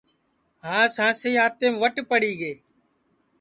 ہانٚس ہانٚسی آنٚتینٚم وٹ پڑی گے